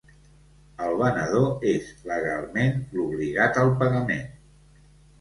El venedor és, legalment, l'obligat al pagament.